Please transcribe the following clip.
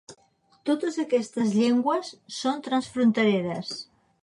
Totes aquestes llengües són transfrontereres.